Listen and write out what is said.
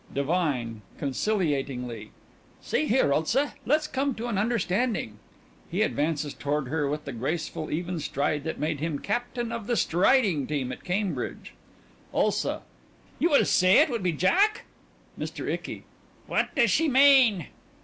_) DIVINE: (Conciliatingly) See here, Ulsa. Let's come to an understanding. (He advances toward her with the graceful, even stride that made him captain of the striding team at Cambridge.) ULSA: You still say it would be Jack? MR. ICKY: What does she mean?